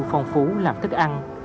phong phú làm thức ăn